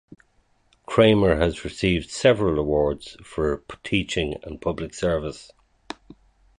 Cramer has received several awards for teaching and public service.